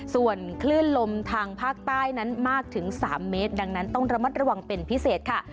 ส่วนคลื่นลมทางภาคใต้นั้นมากถึง๓เมตรดังนั้นต้องระมัดระวังเป็นพิเศษค่ะ